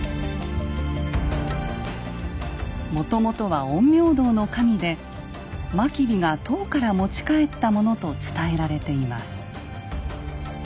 もともとは陰陽道の神で真備が唐から持ち帰ったものと伝えられています。